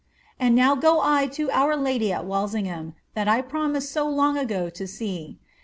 And now go I to our Lady at Walsingham, that I promised so long ago to lee.